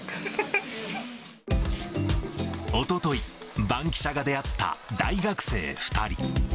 おととい、バンキシャが出会った大学生２人。